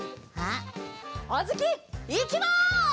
あづきいきます！